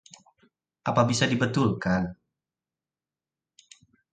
Apa bisa dibetulkan?